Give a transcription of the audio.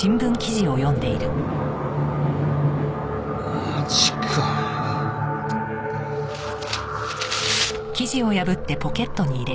マジかよ。